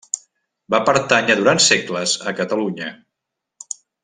Va pertànyer durant segles a Catalunya.